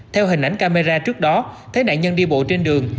theo hình ảnh camera trước đó thấy nạn nhân đi bộ trên đường